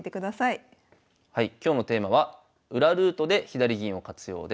はい今日のテーマは「裏ルートで左銀を活用」です。